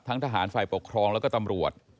ทหารฝ่ายปกครองแล้วก็ตำรวจ